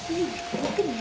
ゆっくりね。